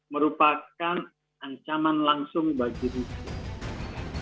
merupakan ancaman langsung bagi rusia